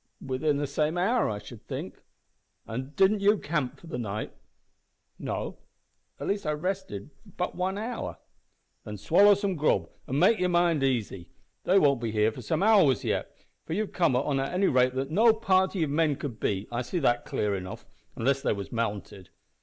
"Within the same hour, I should think." "An' did you camp for the night?" "No. At least I rested but one hour." "Then swallow some grub an' make your mind easy. They won't be here for some hours yet, for you've come on at a rate that no party of men could beat, I see that clear enough unless they was mounted."